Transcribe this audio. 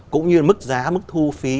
cũng như mức giá mức thu phí